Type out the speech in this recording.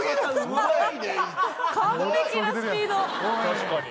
確かに。